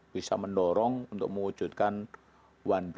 bisa mendorong untuk mewujudkan one brand one form